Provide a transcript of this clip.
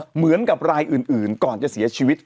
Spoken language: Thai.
เหมือนกับรายอื่นก่อนจะเสียชีวิต